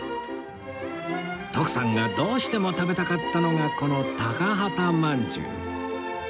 徳さんがどうしても食べたかったのがこの高幡まんじゅう